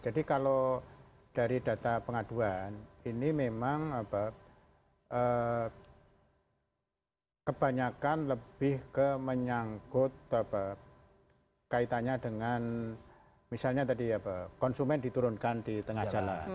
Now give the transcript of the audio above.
jadi kalau dari data pengaduan ini memang kebanyakan lebih ke menyangkut kaitannya dengan misalnya tadi apa konsumen diturunkan di tengah jalan